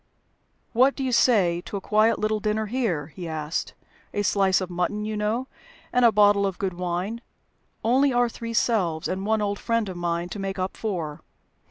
"What do you say to a quiet little dinner here?" he asked. "A slice of mutton, you know, and a bottle of good wine. Only our three selves, and one old friend of mine to make up four.